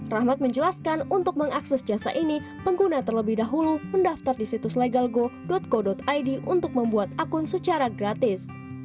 rahmat menjelaskan untuk mengakses jasa ini pengguna terlebih dahulu mendaftar di situs legalgo co id untuk membuat akun secara gratis